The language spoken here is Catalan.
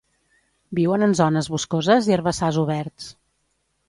Viuen en zones boscoses i herbassars oberts.